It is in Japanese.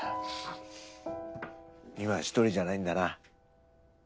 今は一人じゃないんだな。